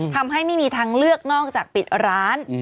ทำให้ไม่มีทางเลือกนอกจากปิดร้าน